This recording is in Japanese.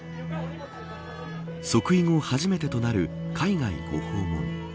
即位後、初めてとなる海外ご訪問。